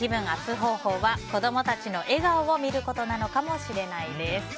方法は子供たちの笑顔を見ることなのかもしれないです。